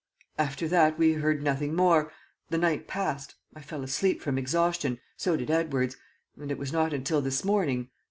"After that, we heard nothing more. ... The night passed. ... I fell asleep from exhaustion. ... So did Edwards. ... And it was not until this morning